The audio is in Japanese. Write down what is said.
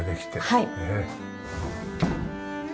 はい。